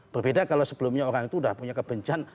berbeda kalau sebelumnya orang itu sudah punya kebencian